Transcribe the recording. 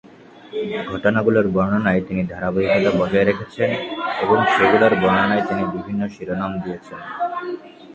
ঘটনাগুলোর বর্ণনায় তিনি ধারাবাহিকতা বজায় রেখেছেন এবং সেগুলোর বর্ণনায় তিনি বিভিন্ন শিরোনাম দিয়েছেন।